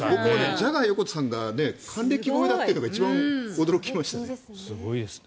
ジャガー横田さんが還暦超えだというのが一番驚きました。